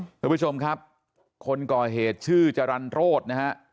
คุณผู้ชมครับคนก่อเหตุชื่อจรรย์โรธนะฮะ